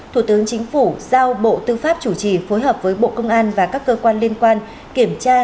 thủ tướng chính phủ giao bộ tư pháp chủ trì phối hợp với bộ công an và các cơ quan liên quan kiểm tra